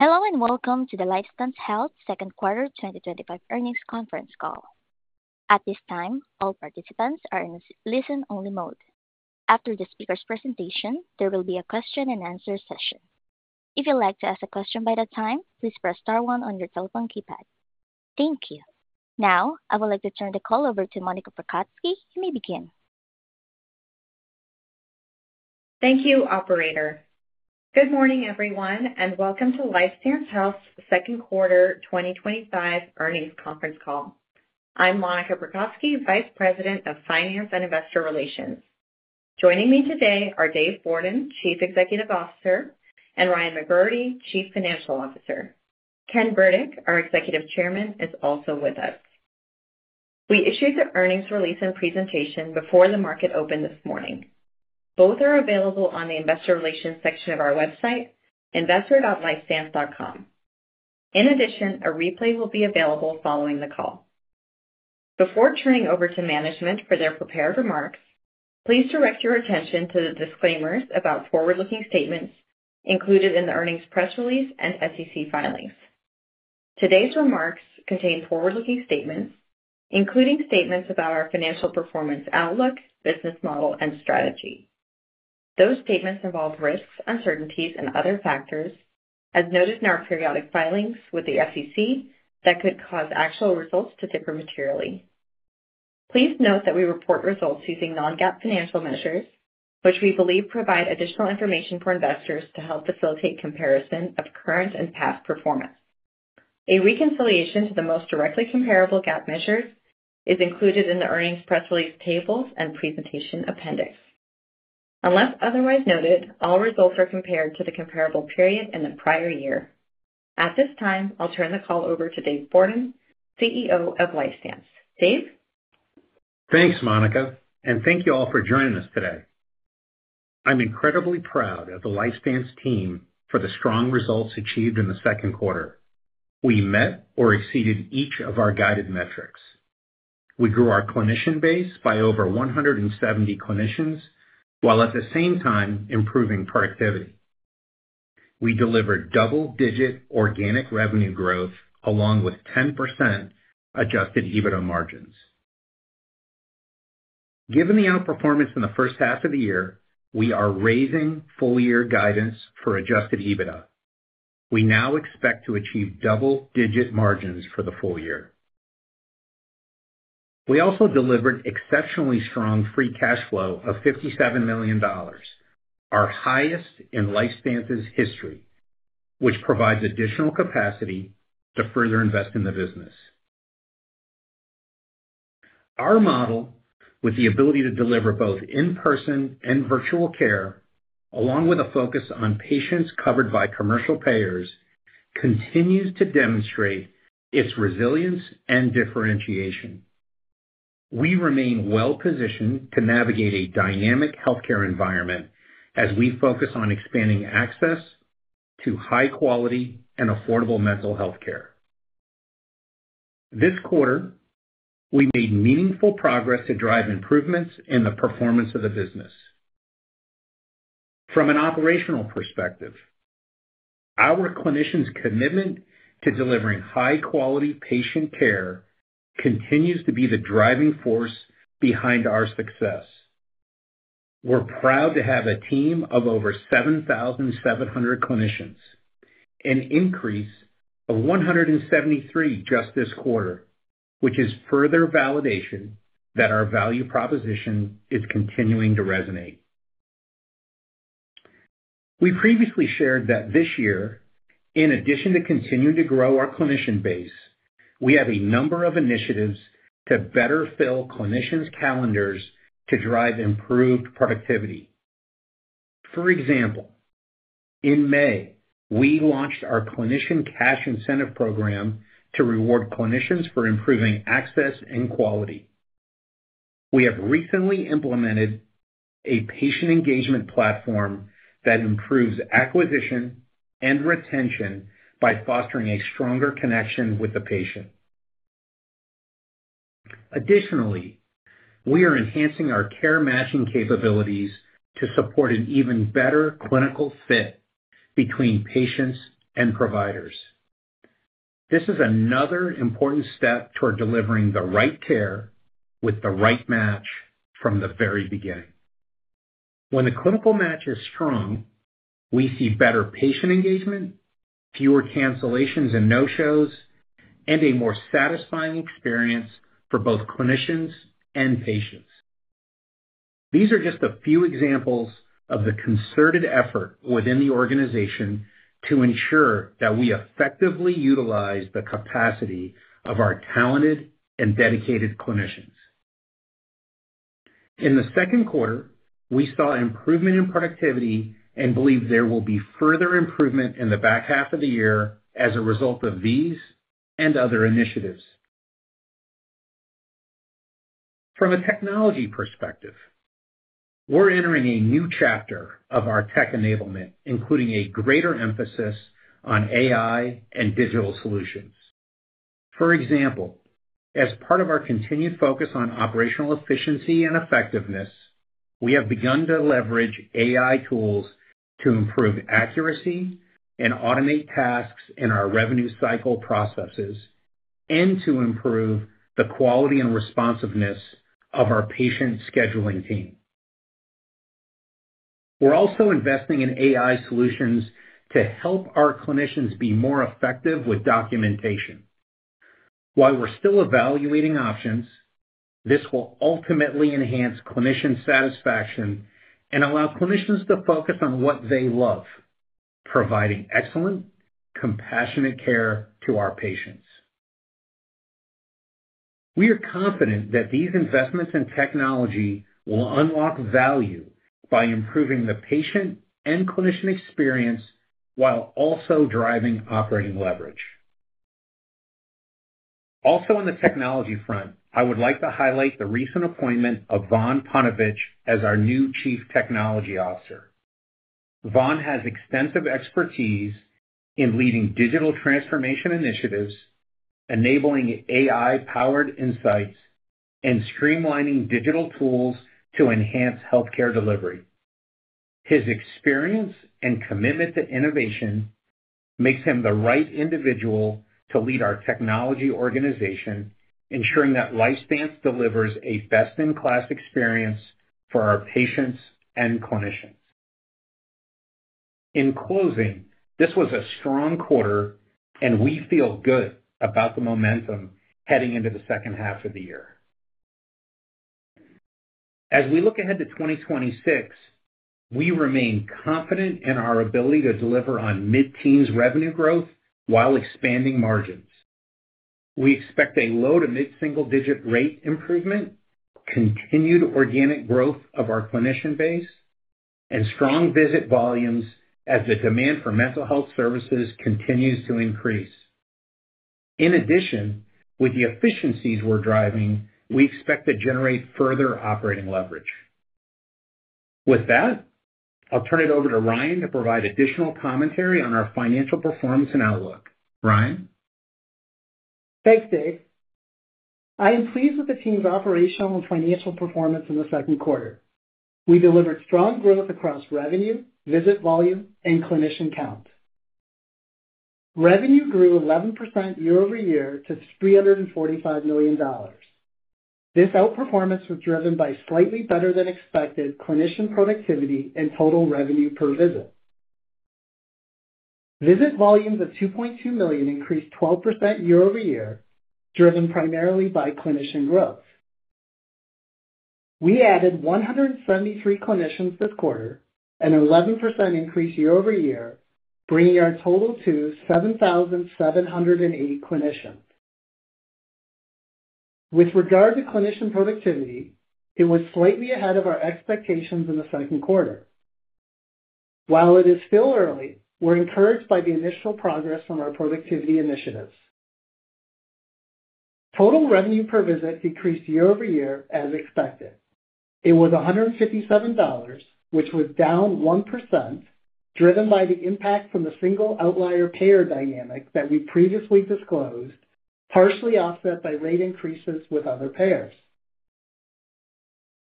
Hello and welcome to the LifeStance Health Group Quarter 2025 Earnings Conference Call. At this time, all participants are in a listen-only mode. After the speaker's presentation, there will be a question-and-answer session. If you'd like to ask a question by that time, please press star one on your telephone keypad. Thank you. Now, I would like to turn the call over to Monica Prokocki. You may begin. Thank you, operator. Good morning, everyone, and welcome to LifeStance Health Group Quarter 2025 earnings conference call. I'm Monica Prokocki, Vice President of Finance and Investor Relations. Joining me today are Dave Bourdon, Chief Executive Officer, and Ryan McGroarty, Chief Financial Officer. Ken Burdick, our Executive Chairman, is also with us. We issued the earnings release and presentation before the market opened this morning. Both are available on the Investor Relations section of our website, investor.lifestance.com. In addition, a replay will be available following the call. Before turning over to management for their prepared remarks, please direct your attention to the disclaimers about forward-looking statements included in the earnings press release and SEC filings. Today's remarks contain forward-looking statements, including statements about our financial performance outlook, business model, and strategy. Those statements involve risks, uncertainties, and other factors, as noted in our periodic filings with the SEC, that could cause actual results to differ materially. Please note that we report results using non-GAAP financial measures, which we believe provide additional information for investors to help facilitate comparison of current and past performance. A reconciliation to the most directly comparable GAAP measures is included in the earnings press release tables and presentation appendix. Unless otherwise noted, all results are compared to the comparable period in the prior year. At this time, I'll turn the call over to Dave Bourdon, CEO of LifeStance. Dave? Thanks, Monica, and thank you all for joining us today. I'm incredibly proud of the LifeStance team for the strong results achieved in the second quarter. We met or exceeded each of our guided metrics. We grew our clinician base by over 170 clinicians, while at the same time improving productivity. We delivered double-digit organic revenue growth, along with 10% adjusted EBITDA margins. Given the outperformance in the first half of the year, we are raising full-year guidance for adjusted EBITDA. We now expect to achieve double-digit margins for the full year. We also delivered exceptionally strong free cash flow of $57 million, our highest in LifeStance's history, which provides additional capacity to further invest in the business. Our model, with the ability to deliver both in-person and virtual care, along with a focus on patients covered by commercial payers, continues to demonstrate its resilience and differentiation. We remain well-positioned to navigate a dynamic healthcare environment as we focus on expanding access to high-quality and affordable mental health care. This quarter, we made meaningful progress to drive improvements in the performance of the business. From an operational perspective, our clinicians' commitment to delivering high-quality patient care continues to be the driving force behind our success. We're proud to have a team of over 7,700 clinicians, an increase of 173 just this quarter, which is further validation that our value proposition is continuing to resonate. We previously shared that this year, in addition to continuing to grow our clinician base, we have a number of initiatives to better fill clinicians' calendars to drive improved productivity. For example, in May, we launched our clinician cash incentive program to reward clinicians for improving access and quality. We have recently implemented a patient engagement platform that improves acquisition and retention by fostering a stronger connection with the patient. Additionally, we are enhancing our care matching capabilities to support an even better clinical fit between patients and providers. This is another important step toward delivering the right care with the right match from the very beginning. When the clinical match is strong, we see better patient engagement, fewer cancellations and no-shows, and a more satisfying experience for both clinicians and patients. These are just a few examples of the concerted effort within the organization to ensure that we effectively utilize the capacity of our talented and dedicated clinicians. In the second quarter, we saw improvement in productivity and believe there will be further improvement in the back half of the year as a result of these and other initiatives. From a technology perspective, we're entering a new chapter of our tech enablement, including a greater emphasis on AI and digital solutions. For example, as part of our continued focus on operational efficiency and effectiveness, we have begun to leverage AI tools to improve accuracy and automate tasks in our revenue cycle processes and to improve the quality and responsiveness of our patient scheduling team. We're also investing in AI solutions to help our clinicians be more effective with documentation. While we're still evaluating options, this will ultimately enhance clinician satisfaction and allow clinicians to focus on what they love: providing excellent, compassionate care to our patients. We are confident that these investments in technology will unlock value by improving the patient and clinician experience while also driving operating leverage. Also, on the technology front, I would like to highlight the recent appointment of Vaughn Punovich as our new Chief Technology Officer. Vaughn has extensive expertise in leading digital transformation initiatives, enabling AI-powered insights, and streamlining digital tools to enhance healthcare delivery. His experience and commitment to innovation make him the right individual to lead our technology organization, ensuring that LifeStance Health Group delivers a best-in-class experience for our patients and clinicians. In closing, this was a strong quarter, and we feel good about the momentum heading into the second half of the year. As we look ahead to 2026, we remain confident in our ability to deliver on mid-teens revenue growth while expanding margins. We expect a low to mid-single-digit rate improvement, continued organic growth of our clinician base, and strong visit volumes as the demand for mental health services continues to increase. In addition, with the efficiencies we're driving, we expect to generate further operating leverage. With that, I'll turn it over to Ryan to provide additional commentary on our financial performance and outlook. Ryan? Thanks, Dave. I am pleased with the team's operational and financial performance in the second quarter. We delivered strong growth across revenue, visit volume, and clinician count. Revenue grew 11% year-over-year to $345 million. This outperformance was driven by slightly better-than-expected clinician productivity and total revenue per visit. Visit volumes of 2.2 million increased 12% year-over-year, driven primarily by clinician growth. We added 173 clinicians this quarter, an 11% increase year-over-year, bringing our total to 7,708 clinicians. With regard to clinician productivity, it was slightly ahead of our expectations in the second quarter. While it is still early, we're encouraged by the initial progress from our productivity initiatives. Total revenue per visit decreased year-over-year as expected. It was $157, which was down 1%, driven by the impact from the single outlier payer dynamic that we previously disclosed, partially offset by rate increases with other payers.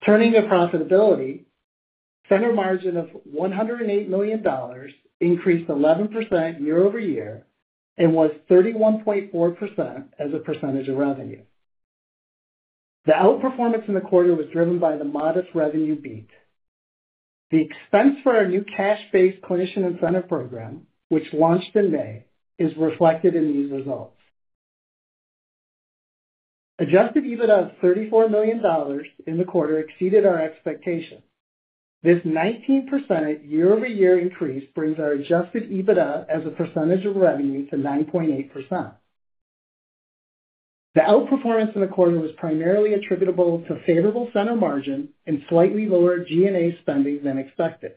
Turning to profitability, the center margin of $108 million increased 11% year-over-year and was 31.4% as a percentage of revenue. The outperformance in the quarter was driven by the modest revenue beat. The expense for our new cash-based clinician incentive program, which launched in May, is reflected in these results. Adjusted EBITDA of $34 million in the quarter exceeded our expectations. This 19% year-over-year increase brings our adjusted EBITDA as a percentage of revenue to 9.8%. The outperformance in the quarter was primarily attributable to favorable center margins and slightly lower G&A spending than expected.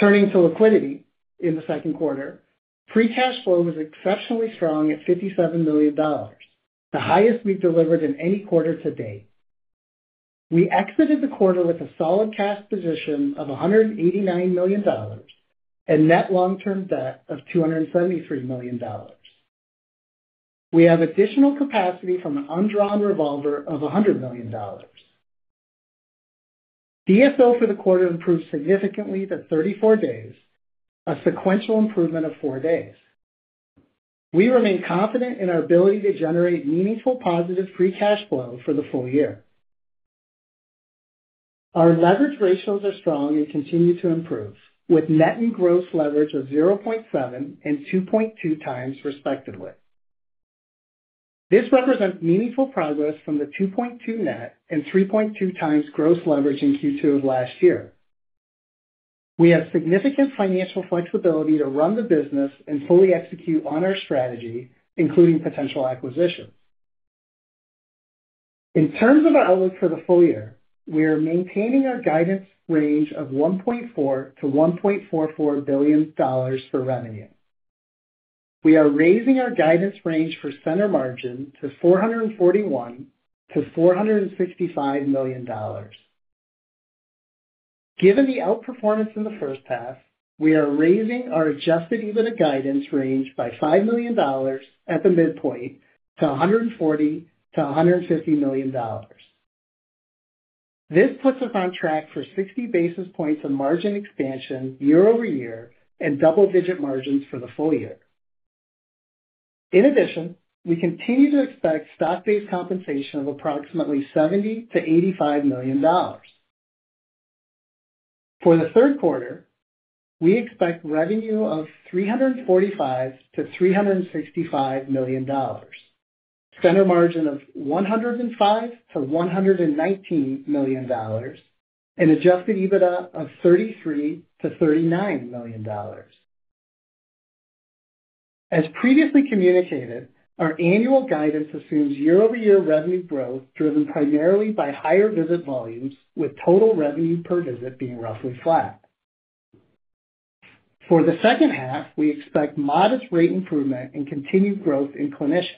Turning to liquidity in the second quarter, free cash flow was exceptionally strong at $57 million, the highest we've delivered in any quarter to date. We exited the quarter with a solid cash position of $189 million and a net long-term debt of $273 million. We have additional capacity from an undrawn revolver of $100 million. DSO for the quarter improved significantly to 34 days, a sequential improvement of four days. We remain confident in our ability to generate meaningful positive free cash flow for the full year. Our leverage ratios are strong and continue to improve, with net and gross leverage of 0.7x-2.2x, respectively. This represents meaningful progress from the 2.2x net and 3.2x gross leverage in Q2 of last year. We have significant financial flexibility to run the business and fully execute on our strategy, including potential acquisitions. In terms of our outlook for the full year, we are maintaining our guidance range of $1.4 billion-$1.44 billion for revenue. We are raising our guidance range for center margin to $441 million-$465 million. Given the outperformance in the first half, we are raising our adjusted EBITDA guidance range by $5 million at the midpoint to $140 million-$150 million. This puts us on track for 60 basis points of margin expansion year-over-year and double-digit margins for the full year. In addition, we continue to expect stock-based compensation of approximately $70 million-$85 million. For the third quarter, we expect revenue of $345 million-$365 million, center margin of $105 million-$119 million, and adjusted EBITDA of $33 million-$39 million. As previously communicated, our annual guidance assumes year-over-year revenue growth driven primarily by higher visit volumes, with total revenue per visit being roughly flat. For the second half, we expect modest rate improvement and continued growth in clinicians.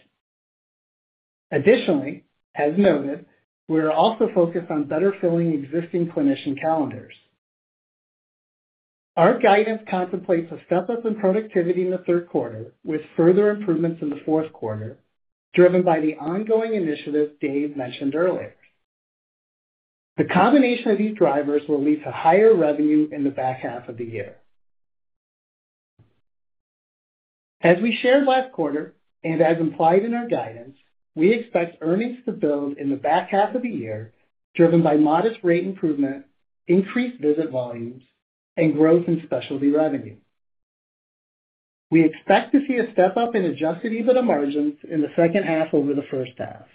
Additionally, as noted, we are also focused on better filling existing clinician calendars. Our guidance contemplates a step-up in productivity in the third quarter, with further improvements in the fourth quarter, driven by the ongoing initiatives Dave mentioned earlier. The combination of these drivers will lead to higher revenue in the back half of the year. As we shared last quarter and as implied in our guidance, we expect earnings to build in the back half of the year, driven by modest rate improvement, increased visit volumes, and growth in specialty revenue. We expect to see a step-up in adjusted EBITDA margins in the second half over the first half.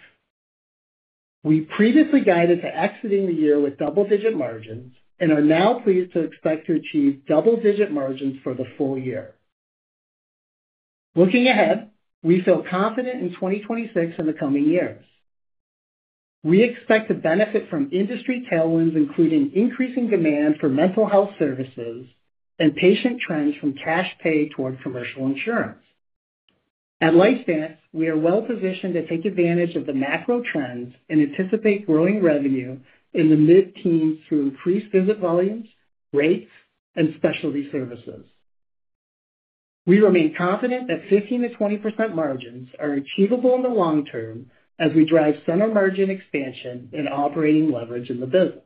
We previously guided to exiting the year with double-digit margins and are now pleased to expect to achieve double-digit margins for the full year. Looking ahead, we feel confident in 2026 and the coming years. We expect to benefit from industry tailwinds, including increasing demand for mental health services and patient trends from cash pay toward commercial insurance. At LifeStance Health Group, we are well-positioned to take advantage of the macro trends and anticipate growing revenue in the mid-teens through increased visit volumes, rates, and specialty services. We remain confident that 15%-20% margins are achievable in the long term as we drive center margin expansion and operating leverage in the business.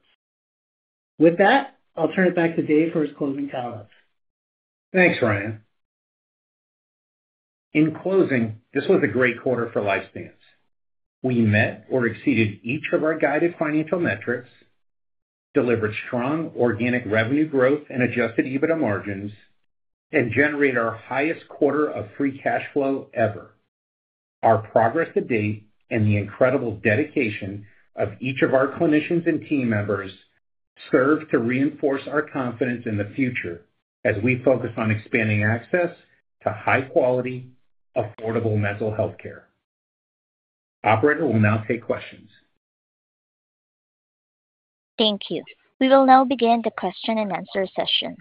With that, I'll turn it back to Dave for his closing comments. Thanks, Ryan. In closing, this was a great quarter for LifeStance Health Group. We met or exceeded each of our guided financial metrics, delivered strong organic revenue growth and adjusted EBITDA margins, and generated our highest quarter of free cash flow ever. Our progress to date and the incredible dedication of each of our clinicians and team members serve to reinforce our confidence in the future as we focus on expanding access to high-quality, affordable mental health care. Operator will now take questions. Thank you. We will now begin the question-and-answer session.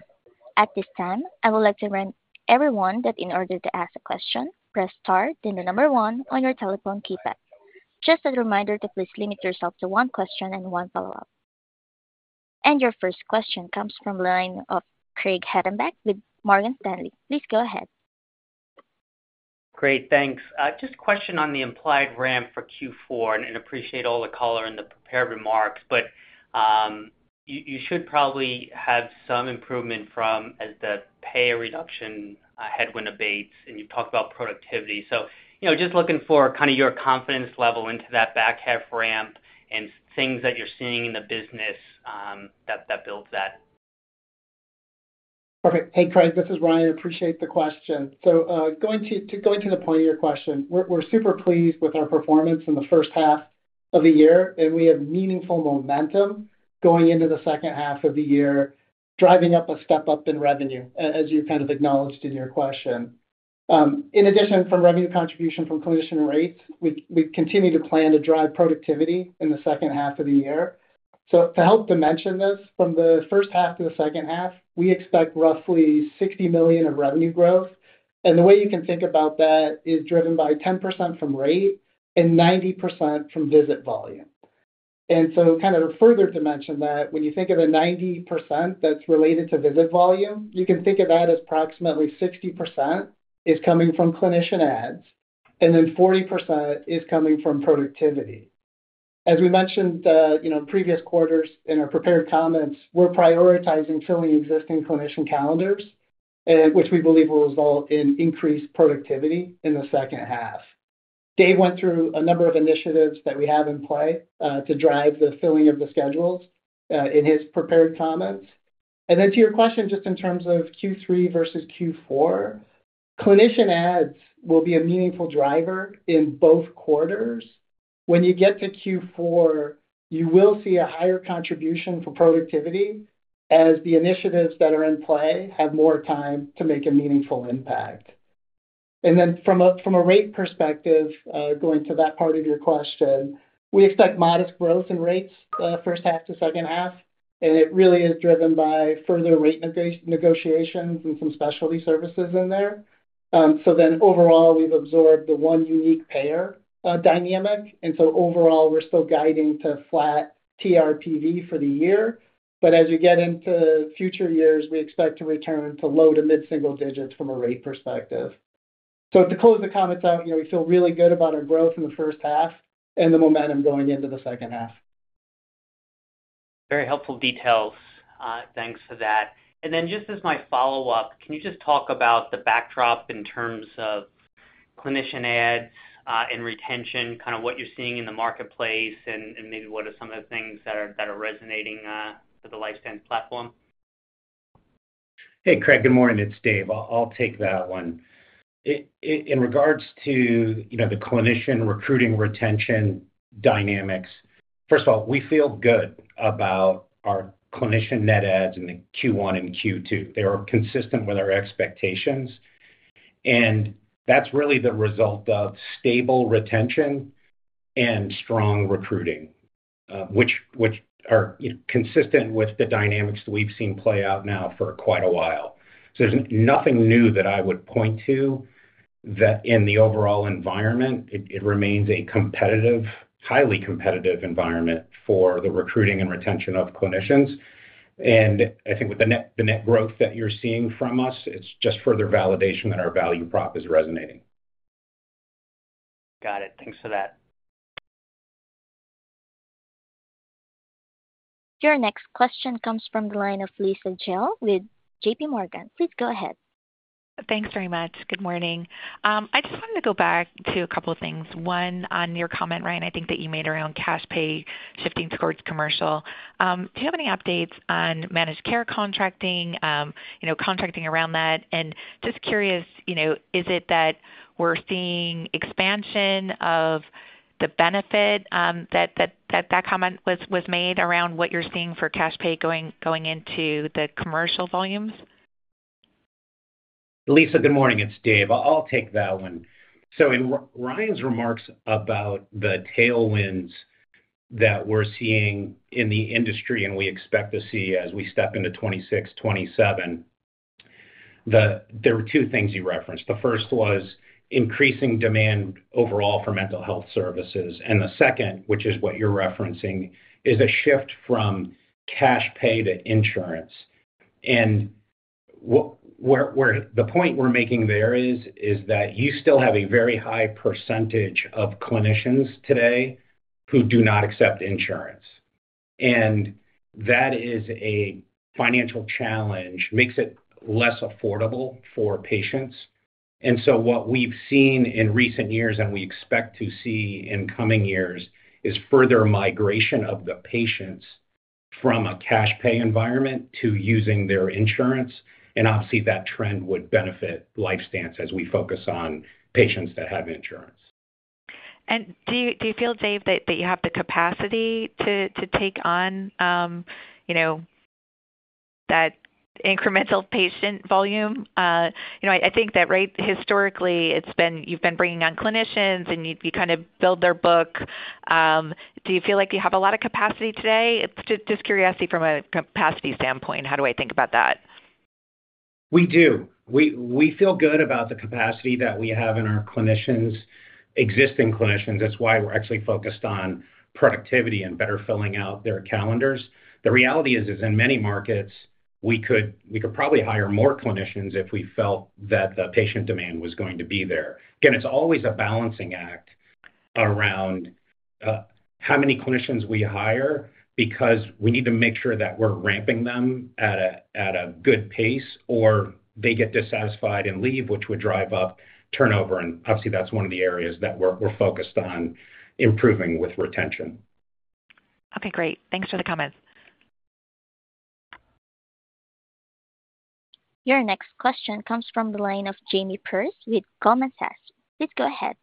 At this time, I would like to remind everyone that in order to ask a question, press star then the number one on your telephone keypad. Just as a reminder to please limit yourself to one question and one follow-up. Your first question comes from the line of Craig Hettenbach with Morgan Stanley. Please go ahead. Craig, thanks. Just a question on the implied RAM for Q4, and appreciate all the color and the prepared remarks, but you should probably have some improvement from as the payer reduction headwind abates, and you've talked about productivity. Just looking for kind of your confidence level into that back half RAM and things that you're seeing in the business that builds that. Okay. Hey, Craig, this is Ryan. Appreciate the question. Going to the point of your question, we're super pleased with our performance in the first half of the year, and we have meaningful momentum going into the second half of the year, driving up a step up in revenue, as you kind of acknowledged in your question. In addition, from revenue contribution from clinician rates, we continue to plan to drive productivity in the second half of the year. To help dimension this, from the first half to the second half, we expect roughly $60 million of revenue growth. The way you can think about that is driven by 10% from rate and 90% from visit volume. To further dimension that, when you think of a 90% that's related to visit volume, you can think of that as approximately 60% is coming from clinician adds and 40% is coming from productivity. As we mentioned in previous quarters in our prepared comments, we're prioritizing filling existing clinician calendars, which we believe will result in increased productivity in the second half. Dave went through a number of initiatives that we have in play to drive the filling of the schedules in his prepared comments. To your question, just in terms of Q3 versus Q4, clinician adds will be a meaningful driver in both quarters. When you get to Q4, you will see a higher contribution for productivity as the initiatives that are in play have more time to make a meaningful impact. From a rate perspective, going to that part of your question, we expect modest growth in rates the first half to second half, and it really is driven by further rate negotiations and some specialty services in there. Overall, we've absorbed the one unique payer dynamic, and overall, we're still guiding to flat TRPV for the year. As you get into future years, we expect to return to low to mid-single digits from a rate perspective. To close the comments out, you know, we feel really good about our growth in the first half and the momentum going into the second half. Very helpful details. Thanks for that. As my follow-up, can you just talk about the backdrop in terms of clinician adds and retention, kind of what you're seeing in the marketplace and maybe what are some of the things that are resonating for the LifeStance platform? Hey, Craig, good morning. It's Dave. I'll take that one. In regards to the clinician recruiting retention dynamics, first of all, we feel good about our clinician net ads in Q1 and Q2. They were consistent with our expectations, and that's really the result of stable retention and strong recruiting, which are consistent with the dynamics that we've seen play out now for quite a while. There's nothing new that I would point to in the overall environment. It remains a highly competitive environment for the recruiting and retention of clinicians. I think with the net growth that you're seeing from us, it's just further validation that our value prop is resonating. Got it. Thanks for that. Your next question comes from the line of Lisa Jill with JPMorgan. Please go ahead. Thanks very much. Good morning. I just wanted to go back to a couple of things. One on your comment, Ryan, I think that you made around cash pay shifting towards commercial. Do you have any updates on managed care contracting, you know, contracting around that? I'm just curious, is it that we're seeing expansion of the benefit that that comment was made around what you're seeing for cash pay going into the commercial volumes? Lisa, good morning. It's Dave. I'll take that one. In Ryan's remarks about the tailwinds that we're seeing in the industry and we expect to see as we step into 2026 and 2027, there were two things you referenced. The first was increasing demand overall for mental health services, and the second, which is what you're referencing, is a shift from cash pay to insurance. The point we're making there is that you still have a very high percentage of clinicians today who do not accept insurance, and that is a financial challenge, makes it less affordable for patients. What we've seen in recent years and we expect to see in coming years is further migration of the patients from a cash pay environment to using their insurance, and obviously that trend would benefit LifeStance Health Group as we focus on patients that have insurance. Do you feel, Dave, that you have the capacity to take on that incremental patient volume? I think that, historically, you've been bringing on clinicians and you kind of build their book. Do you feel like you have a lot of capacity today? It's just curiosity from a capacity standpoint. How do I think about that? We do. We feel good about the capacity that we have in our clinicians, existing clinicians. That's why we're actually focused on productivity and better filling out their calendars. The reality is, in many markets, we could probably hire more clinicians if we felt that the patient demand was going to be there. It's always a balancing act around how many clinicians we hire because we need to make sure that we're ramping them at a good pace or they get dissatisfied and leave, which would drive up turnover. Obviously, that's one of the areas that we're focused on improving with retention. Okay, great. Thanks for the comments. Your next question comes from the line of Jamie Purse with Goldman Sachs. Please go ahead.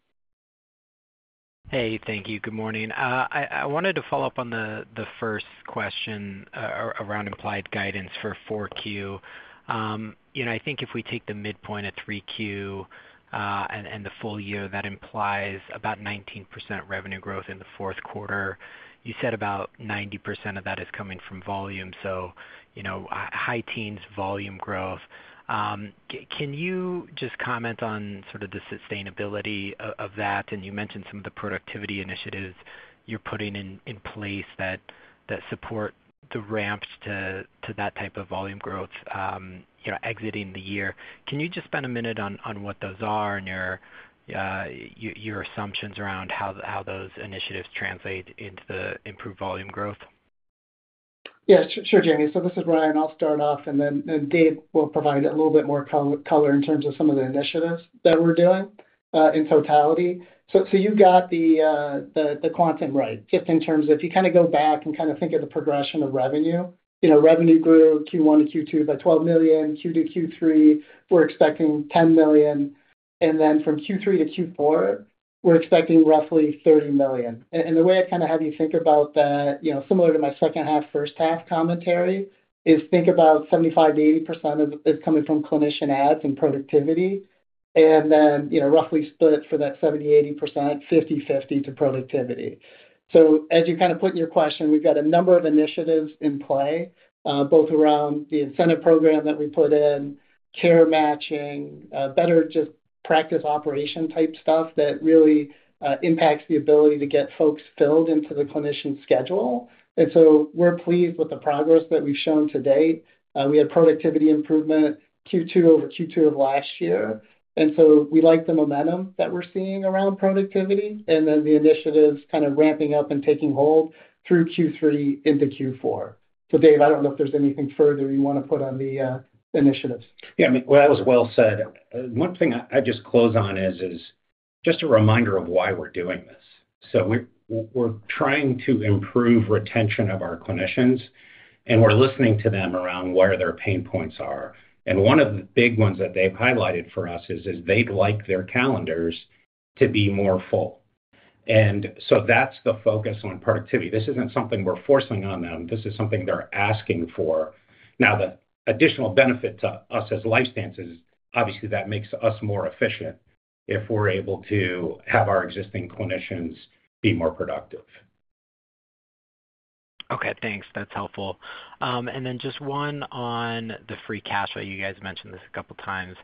Hey, thank you. Good morning. I wanted to follow up on the first question around implied guidance for 4Q. I think if we take the midpoint at 3Q and the full year, that implies about 19% revenue growth in the fourth quarter. You said about 90% of that is coming from volume, so high teens volume growth. Can you just comment on sort of the sustainability of that? You mentioned some of the productivity initiatives you're putting in place that support the ramps to that type of volume growth, exiting the year. Can you just spend a minute on what those are and your assumptions around how those initiatives translate into the improved volume growth? Yeah, sure, Jamie. This is Ryan. I'll start off, and then Dave will provide a little bit more color in terms of some of the initiatives that we're doing in totality. You got the quantum right, just in terms of if you kind of go back and think of the progression of revenue. Revenue grew Q1 to Q2 by $12 million. Q2 to Q3, we're expecting $10 million. From Q3 to Q4, we're expecting roughly $30 million. The way I kind of have you think about that, similar to my second half, first half commentary, is think about 75%-80% of it is coming from clinician adds and productivity, and then, roughly split for that 75%-80%, 50/50 to productivity. As you kind of put in your question, we've got a number of initiatives in play, both around the incentive program that we put in, care matching, better just practice operation type stuff that really impacts the ability to get folks filled into the clinician schedule. We're pleased with the progress that we've shown to date. We had productivity improvement Q2 over Q2 of last year. We like the momentum that we're seeing around productivity and the initiatives kind of ramping up and taking hold through Q3 into Q4. Dave, I don't know if there's anything further you want to put on the initiatives. Yeah, I mean, that was well said. One thing I'd just close on is a reminder of why we're doing this. We're trying to improve retention of our clinicians, and we're listening to them around where their pain points are. One of the big ones that they've highlighted for us is they'd like their calendars to be more full. That's the focus on productivity. This isn't something we're forcing on them. This is something they're asking for. The additional benefit to us as LifeStance Health Group is obviously that makes us more efficient if we're able to have our existing clinicians be more productive. Okay, thanks. That's helpful. Just one on the free cash flow. You guys mentioned this a couple of times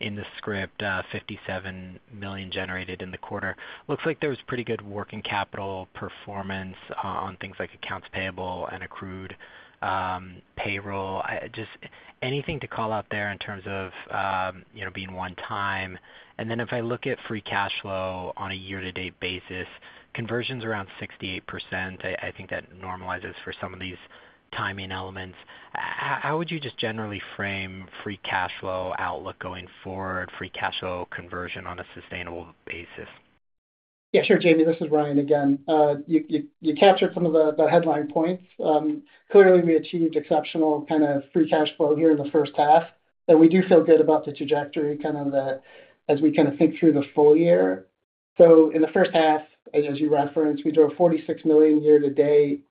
in the script, $57 million generated in the quarter. Looks like there's pretty good working capital performance on things like accounts payable and accrued payroll. Just anything to call out there in terms of being one-time. If I look at free cash flow on a year-to-date basis, conversions around 68%. I think that normalizes for some of these timing elements. How would you just generally frame free cash flow outlook going forward, free cash flow conversion on a sustainable basis? Yeah, sure, Jamie. This is Ryan again. You captured some of the headline points. Clearly, we achieved exceptional kind of free cash flow here in the first half, and we do feel good about the trajectory kind of as we think through the full year. In the first half, and as you referenced, we drove $46 million year-to-date,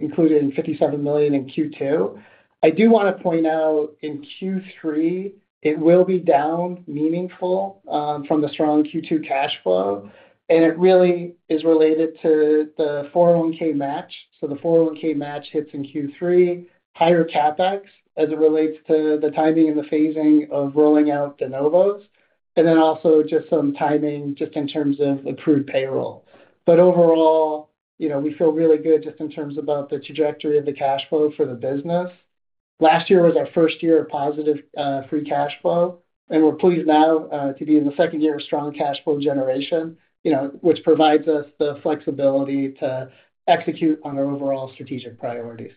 including $57 million in Q2. I do want to point out in Q3, it will be down meaningful from the strong Q2 cash flow, and it really is related to the 401(k) match. The 401(k) match hits in Q3, higher CapEx as it relates to the timing and the phasing of rolling out de novos, and then also just some timing just in terms of improved payroll. Overall, you know, we feel really good just in terms of the trajectory of the cash flow for the business. Last year was our first year of positive free cash flow, and we're pleased now to be in the second year of strong cash flow generation, which provides us the flexibility to execute on our overall strategic priorities.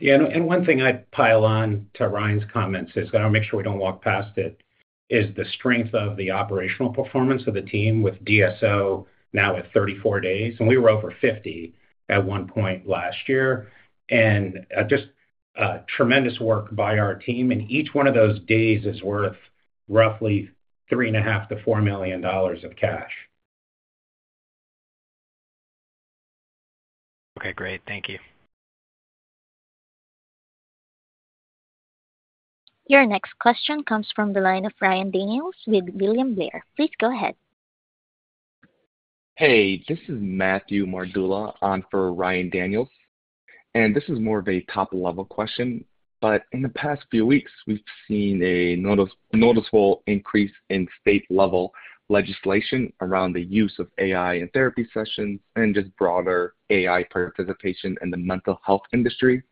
Yeah, one thing I'd pile on to Ryan's comments is, I want to make sure we don't walk past it, is the strength of the operational performance of the team with DSO now at 34 days. We were over 50 at one point last year, just tremendous work by our team. Each one of those days is worth roughly $3.5 million-$4 million of cash. Okay, great. Thank you. Your next question comes from the line of Ryan Daniels with William Blair. Please go ahead. Hey, this is Matthew Mardula on for Ryan Daniels, and this is more of a top-level question, but in the past few weeks, we've seen a noticeable increase in state-level legislation around the use of AI in therapy sessions and just broader AI participation in the mental health industry.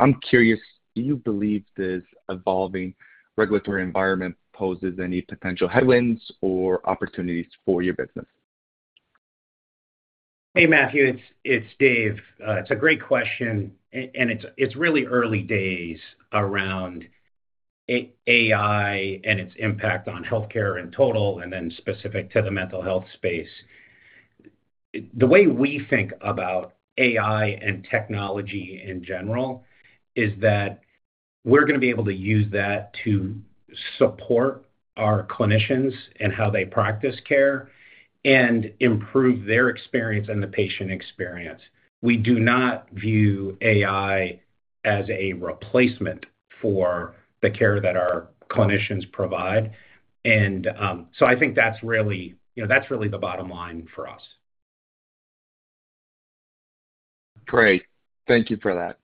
I'm curious, do you believe this evolving regulatory environment poses any potential headwinds or opportunities for your business? Hey, Matthew. It's Dave. It's a great question, and it's really early days around AI and its impact on healthcare in total and then specific to the mental health space. The way we think about AI and technology in general is that we're going to be able to use that to support our clinicians in how they practice care and improve their experience and the patient experience. We do not view AI as a replacement for the care that our clinicians provide. I think that's really the bottom line for us. Great, thank you for that.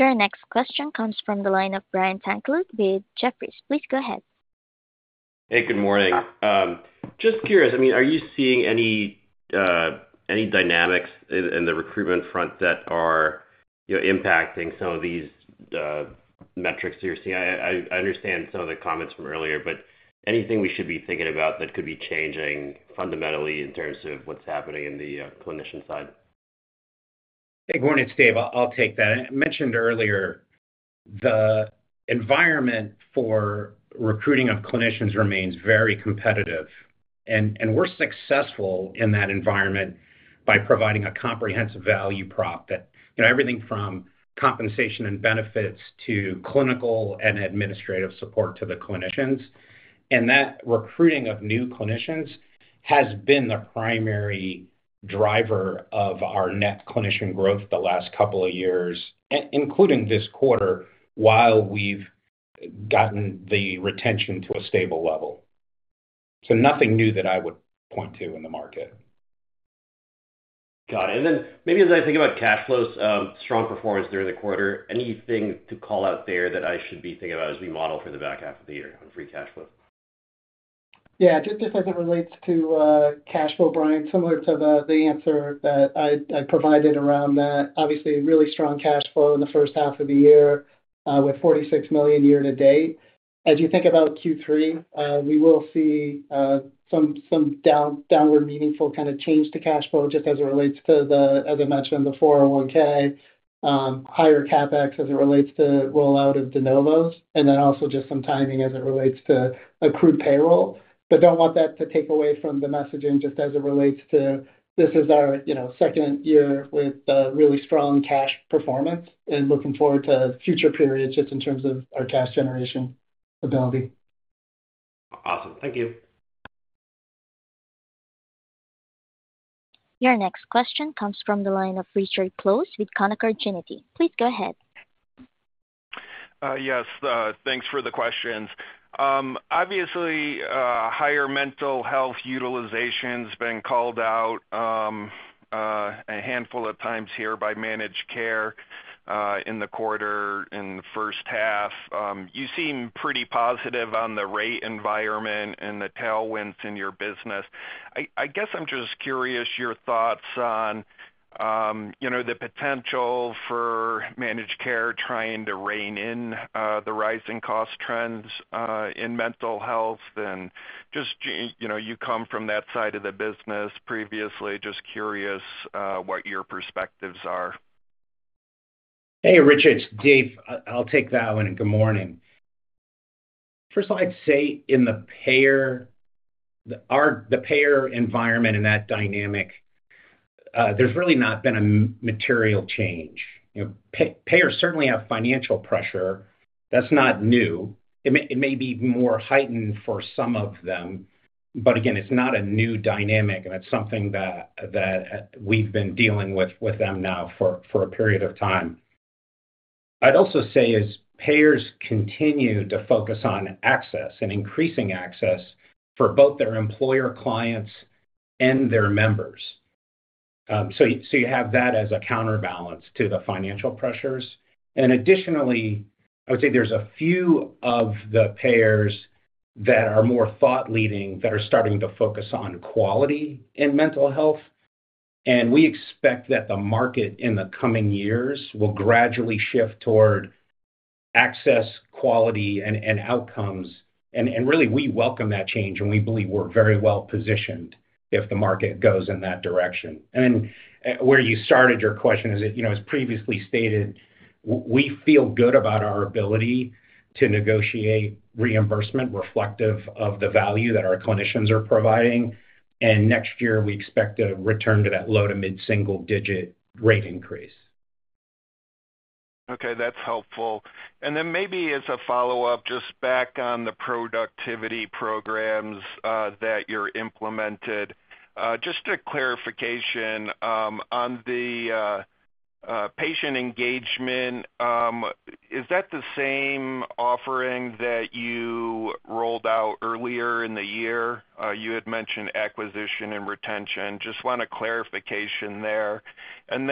Your next question comes from the line of Brian Tanquilut with Jefferies. Please go ahead. Hey, good morning. Just curious, are you seeing any dynamics in the recruitment front that are impacting some of these metrics that you're seeing? I understand some of the comments from earlier, but anything we should be thinking about that could be changing fundamentally in terms of what's happening in the clinician side? Hey, good morning. It's Dave. I'll take that. I mentioned earlier, the environment for recruiting of clinicians remains very competitive, and we're successful in that environment by providing a comprehensive value prop that, you know, everything from compensation and benefits to clinical and administrative support to the clinicians. That recruiting of new clinicians has been the primary driver of our net clinician growth the last couple of years, including this quarter, while we've gotten the retention to a stable level. Nothing new that I would point to in the market. Got it. As I think about cash flow's strong performance during the quarter, anything to call out there that I should be thinking about as we model for the back half of the year on free cash flow? Yeah, just as it relates to cash flow, Brian, similar to the answer that I provided around that, obviously really strong cash flow in the first half of the year with $46 million year to date. As you think about Q3, we will see some downward meaningful kind of change to cash flow just as it relates to the, as I mentioned, the 401(k), higher CapEx as it relates to rollout of de novos, and then also just some timing as it relates to accrued payroll. I don't want that to take away from the messaging just as it relates to this is our second year with really strong cash performance and looking forward to future periods just in terms of our cash generation ability. Awesome. Thank you. Your next question comes from the line of Richard Close with Canaccord Genuity. Please go ahead. Yes, thanks for the questions. Obviously, higher mental health utilization has been called out a handful of times here by managed care in the quarter in the first half. You seem pretty positive on the rate environment and the tailwinds in your business. I'm just curious your thoughts on the potential for managed care trying to rein in the rising cost trends in mental health. You come from that side of the business previously. Just curious what your perspectives are. Hey, Richard. It's Dave. I'll take that one. Good morning. First of all, I'd say in the payer environment and that dynamic, there's really not been a material change. Payers certainly have financial pressure. That's not new. It may be more heightened for some of them. It's not a new dynamic, and it's something that we've been dealing with them now for a period of time. I'd also say as payers continue to focus on access and increasing access for both their employer clients and their members, you have that as a counterbalance to the financial pressures. Additionally, I would say there's a few of the payers that are more thought-leading that are starting to focus on quality in mental health. We expect that the market in the coming years will gradually shift toward access, quality, and outcomes. We welcome that change, and we believe we're very well positioned if the market goes in that direction. Where you started your question is, as previously stated, we feel good about our ability to negotiate reimbursement reflective of the value that our clinicians are providing. Next year, we expect to return to that low to mid-single-digit rate increase. Okay, that's helpful. Maybe as a follow-up, just back on the productivity programs that you're implementing, just a clarification on the patient engagement. Is that the same offering that you rolled out earlier in the year? You had mentioned acquisition and retention. Just want a clarification there. On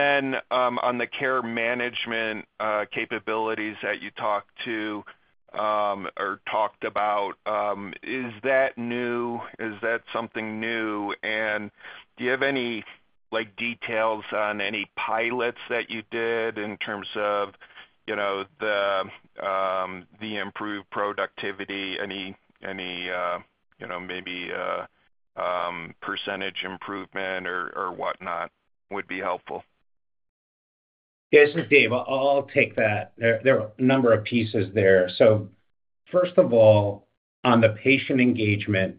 the care management capabilities that you talked to or talked about, is that new? Is that something new? Do you have any details on any pilots that you did in terms of the improved productivity? Any, maybe percentage improvement or whatnot would be helpful? Yeah, this is Dave. I'll take that. There are a number of pieces there. First of all, on the patient engagement,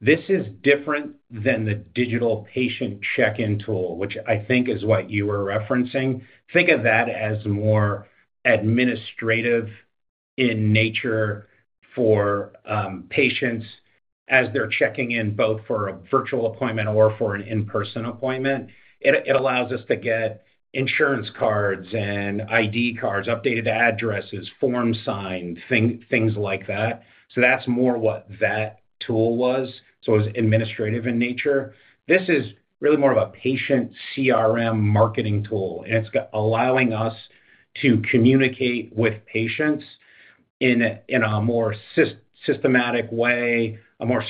this is different than the digital patient check-in tool, which I think is what you were referencing. Think of that as more administrative in nature for patients as they're checking in both for a virtual appointment or for an in-person appointment. It allows us to get insurance cards and ID cards, updated addresses, forms signed, things like that. That's more what that tool was. It was administrative in nature. This is really more of a patient CRM marketing tool, and it's allowing us to communicate with patients in a more systematic way, a more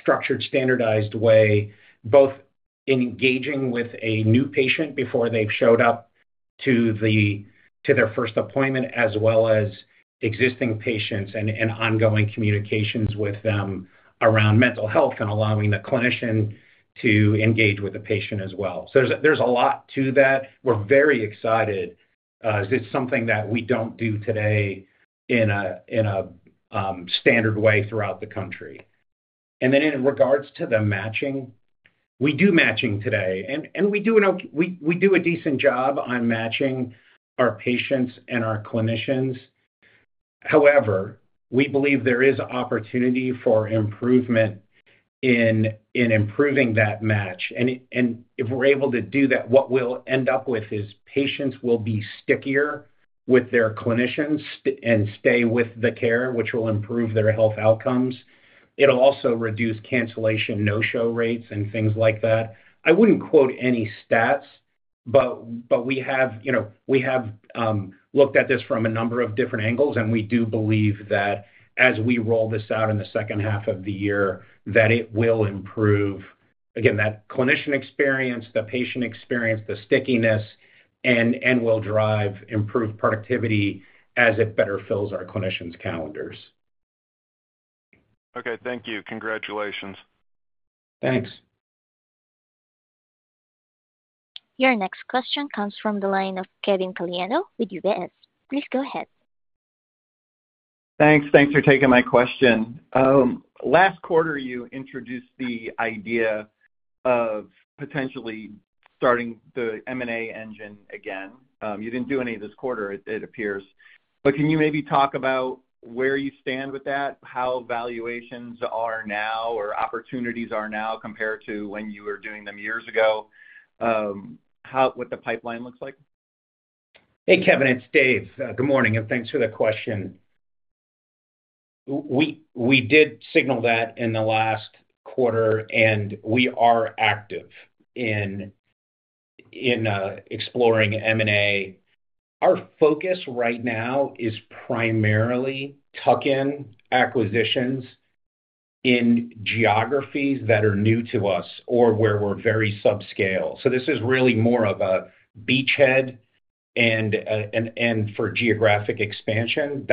structured, standardized way, both engaging with a new patient before they've showed up to their first appointment, as well as existing patients and ongoing communications with them around mental health and allowing the clinician to engage with the patient as well. There's a lot to that. We're very excited. It's just something that we don't do today in a standard way throughout the country. In regards to the matching, we do matching today, and we do a decent job on matching our patients and our clinicians. However, we believe there is opportunity for improvement in improving that match. If we're able to do that, what we'll end up with is patients will be stickier with their clinicians and stay with the care, which will improve their health outcomes. It'll also reduce cancellation no-show rates and things like that. I wouldn't quote any stats, but we have looked at this from a number of different angles, and we do believe that as we roll this out in the second half of the year, it will improve, again, that clinician experience, the patient experience, the stickiness, and will drive improved productivity as it better fills our clinicians' calendars. Okay, thank you. Congratulations. Thanks. Your next question comes from the line of Kevin Caliendo with UBS. Please go ahead. Thanks for taking my question. Last quarter, you introduced the idea of potentially starting the M&A engine again. You didn't do any this quarter, it appears. Can you maybe talk about where you stand with that, how valuations are now or opportunities are now compared to when you were doing them years ago, how the pipeline looks like? Hey, Kevin. It's Dave. Good morning, and thanks for the question. We did signal that in the last quarter, and we are active in exploring M&A. Our focus right now is primarily tuck-in acquisitions in geographies that are new to us or where we're very subscale. This is really more of a beachhead and for geographic expansion.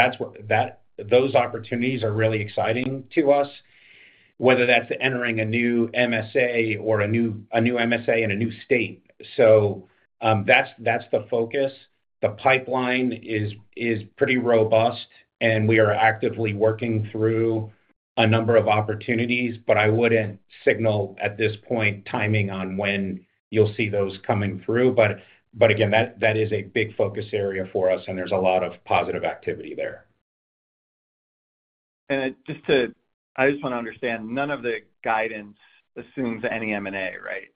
Those opportunities are really exciting to us, whether that's entering a new MSA or a new MSA in a new state. That's the focus. The pipeline is pretty robust, and we are actively working through a number of opportunities. I wouldn't signal at this point timing on when you'll see those coming through. That is a big focus area for us, and there's a lot of positive activity there. I just want to understand, none of the guidance assumes any M&A, right?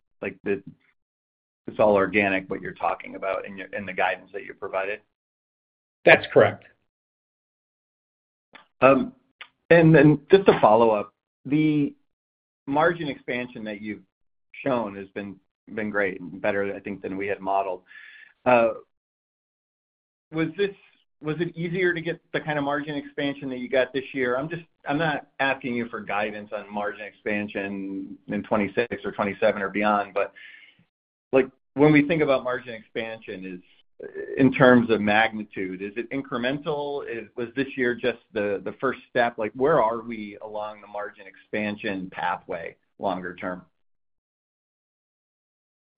It's all organic what you're talking about in the guidance that you provided. That's correct. The margin expansion that you've shown has been great and better, I think, than we had modeled. Was it easier to get the kind of margin expansion that you got this year? I'm not asking you for guidance on margin expansion in 2026 or 2027 or beyond, but when we think about margin expansion, in terms of magnitude, is it incremental? Was this year just the first step? Where are we along the margin expansion pathway longer term?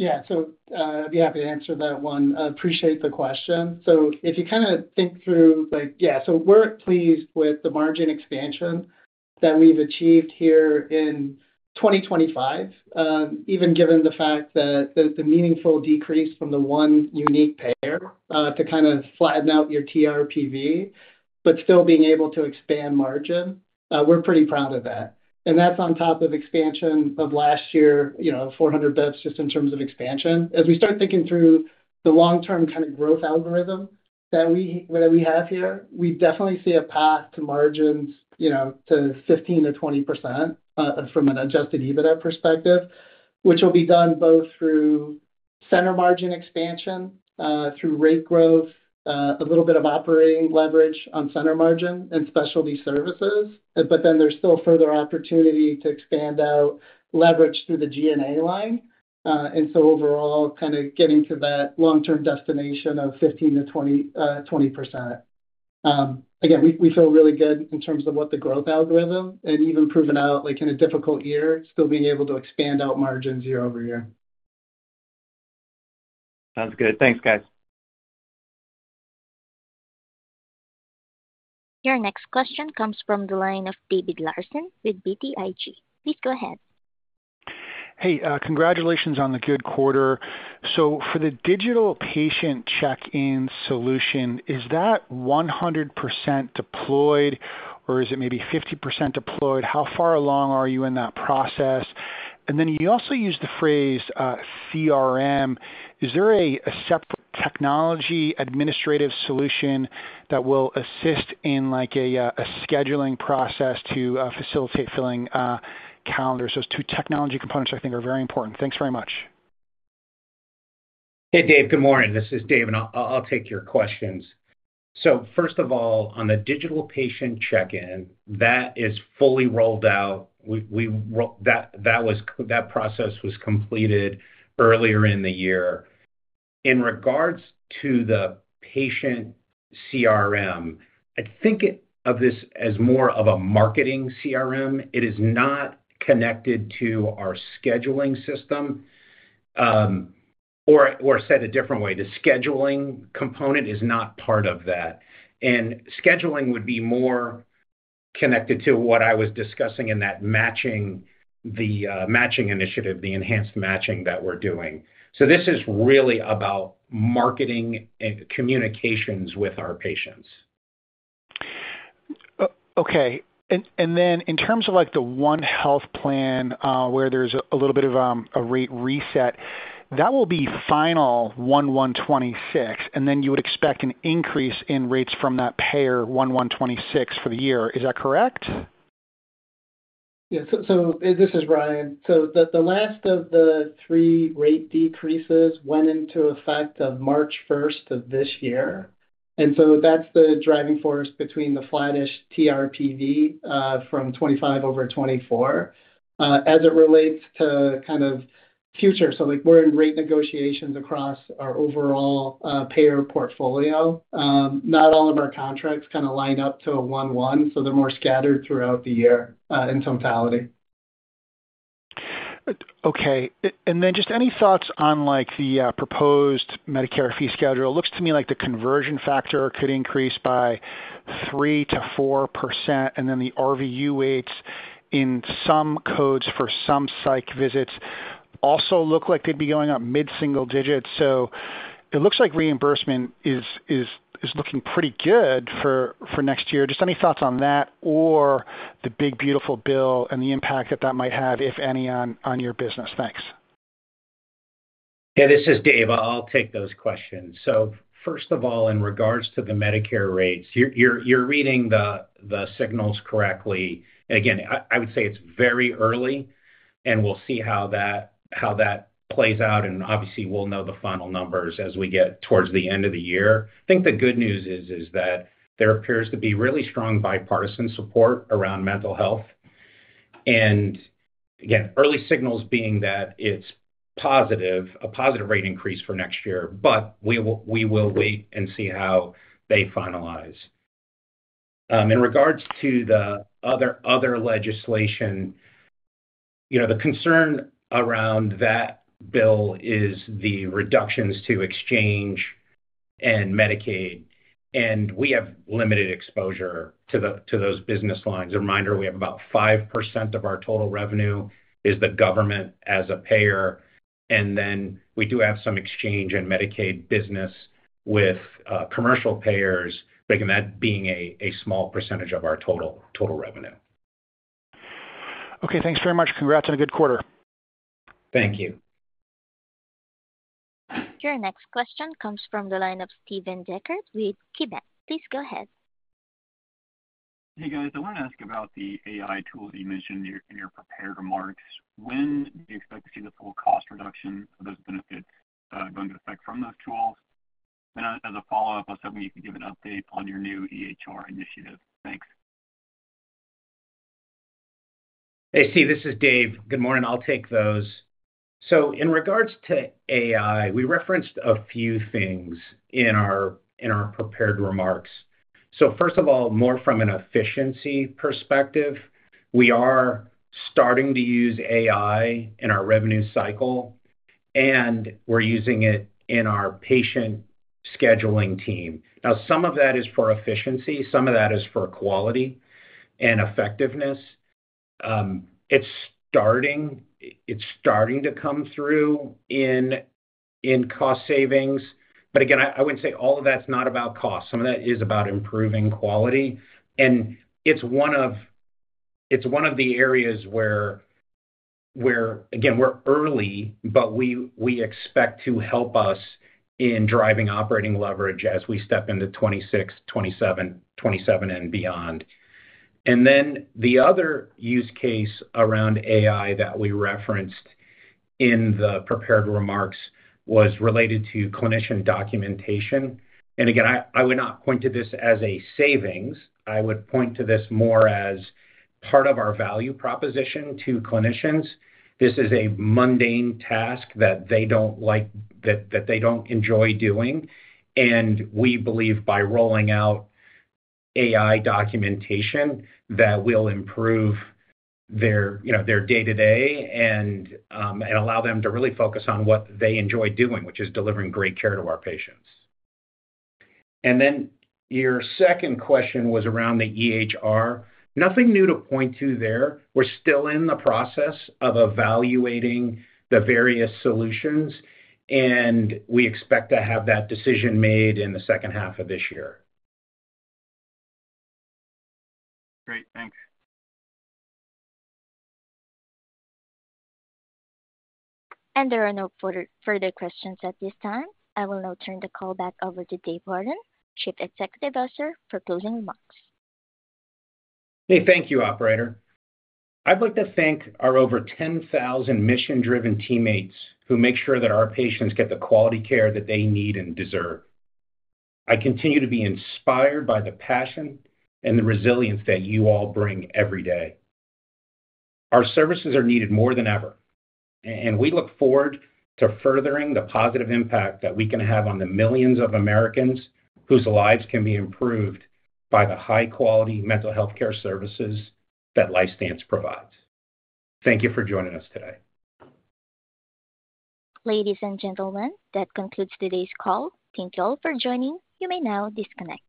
I'd be happy to answer that one. I appreciate the question. If you kind of think through, we're pleased with the margin expansion that we've achieved here in 2025, even given the fact that the meaningful decrease from the one unique payer to kind of flatten out your TRPV, but still being able to expand margin, we're pretty proud of that. That's on top of expansion of last year, you know, 400 bps just in terms of expansion. As we start thinking through the long-term kind of growth algorithm that we have here, we definitely see a path to margins, you know, to 15%-20% from an adjusted EBITDA perspective, which will be done both through center margin expansion, through rate growth, a little bit of operating leverage on center margin and specialty services. There is still further opportunity to expand out leverage through the G&A line. Overall, kind of getting to that long-term destination of 15%-20%. Again, we feel really good in terms of what the growth algorithm and even proven out like in a difficult year, still being able to expand out margins year over year. Sounds good. Thanks, guys. Your next question comes from the line of David Larsen with BTIG. Please go ahead. Hey, congratulations on the good quarter. For the digital patient check-in solution, is that 100% deployed or is it maybe 50% deployed? How far along are you in that process? You also use the phrase CRM. Is there a separate technology administrative solution that will assist in like a scheduling process to facilitate filling calendars? Those two technology components I think are very important. Thanks very much. Hey, Dave. Good morning. This is Dave, and I'll take your questions. First of all, on the digital patient check-in, that is fully rolled out. That process was completed earlier in the year. In regards to the patient CRM, I think of this as more of a marketing CRM. It is not connected to our scheduling system. The scheduling component is not part of that. Scheduling would be more connected to what I was discussing in that matching initiative, the enhanced matching that we're doing. This is really about marketing and communications with our patients. Okay. In terms of the One Health Plan where there's a little bit of a rate reset, that will be final 1/1/2026, and you would expect an increase in rates from that payer 1/1/2026 for the year. Is that correct? Yeah, this is Ryan. The last of the three rate decreases went into effect on March 1st, 2024. That's the driving force between the flattish TRPV from 2025 over 2024. As it relates to future, we're in rate negotiations across our overall payer portfolio. Not all of our contracts line up to 1/1, so they're more scattered throughout the year in totality. Okay. Any thoughts on the proposed Medicare fee schedule? It looks to me like the conversion factor could increase by 3% to 4%, and the RVU rates in some codes for some psych visits also look like they'd be going up mid-single digits. It looks like reimbursement is looking pretty good for next year. Any thoughts on that or the big beautiful bill and the impact that that might have, if any, on your business? Thanks. Yeah, this is Dave. I'll take those questions. First of all, in regards to the Medicare rates, you're reading the signals correctly. I would say it's very early, and we'll see how that plays out, and obviously we'll know the final numbers as we get towards the end of the year. The good news is that there appears to be really strong bipartisan support around mental health. Early signals being that it's positive, a positive rate increase for next year, but we will wait and see how they finalize. In regards to the other legislation, the concern around that bill is the reductions to Exchange and Medicaid, and we have limited exposure to those business lines. A reminder, we have about 5% of our total revenue is the government as a payer, and then we do have some Exchange and Medicaid business with commercial payers, but that being a small percentage of our total revenue. Okay, thanks very much. Congrats on a good quarter. Thank you. Your next question comes from the line of Steven Dechert with KeyBanc. Please go ahead. Hey guys, I want to ask about the AI tool that you mentioned in your prepared remarks. When do you expect to see the full cost reduction of those benefits going to affect from those tools? As a follow-up, I'll certainly give an update on your new EHR initiative. Thanks. Hey, Steve, this is Dave. Good morning. I'll take those. In regards to AI, we referenced a few things in our prepared remarks. First of all, more from an efficiency perspective, we are starting to use AI in our revenue cycle, and we're using it in our patient scheduling team. Some of that is for efficiency, some of that is for quality and effectiveness. It's starting to come through in cost savings, but again, I wouldn't say all of that's not about cost. Some of that is about improving quality, and it's one of the areas where, again, we're early, but we expect to help us in driving operating leverage as we step into 2026, 2027, and beyond. The other use case around AI that we referenced in the prepared remarks was related to clinician documentation. I would not point to this as a savings. I would point to this more as part of our value proposition to clinicians. This is a mundane task that they don't like, that they don't enjoy doing. We believe by rolling out AI documentation that will improve their day-to-day and allow them to really focus on what they enjoy doing, which is delivering great care to our patients. Your second question was around the EHR. Nothing new to point to there. We're still in the process of evaluating the various solutions, and we expect to have that decision made in the second half of this year. Great, thanks. There are no further questions at this time. I will now turn the call back over to Dave Bourdon, Chief Executive Officer, for closing remarks. Thank you, operator. I'd like to thank our over 10,000 mission-driven teammates who make sure that our patients get the quality care that they need and deserve. I continue to be inspired by the passion and the resilience that you all bring every day. Our services are needed more than ever, and we look forward to furthering the positive impact that we can have on the millions of Americans whose lives can be improved by the high-quality mental health care services that LifeStance Health Group provides. Thank you for joining us today. Ladies and gentlemen, that concludes today's call. Thank you all for joining. You may now disconnect.